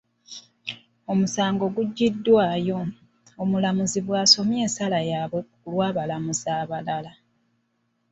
Omusango gugyiddwayo.” Omulamuzi bw’asomye ensala yaabwe ku lw’abalamuzi abalala.